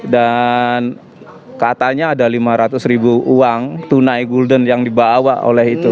dan katanya ada lima ratus ribu uang tunai gulden yang dibawa oleh itu